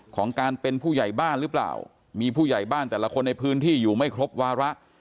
ของการเป็นผู้ใหญ่บ้านหรือเปล่ามีผู้ใหญ่บ้านแต่ละคนในพื้นที่อยู่ไม่ครบวาระ